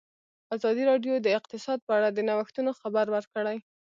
ازادي راډیو د اقتصاد په اړه د نوښتونو خبر ورکړی.